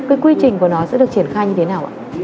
cái quy trình của nó sẽ được triển khai như thế nào ạ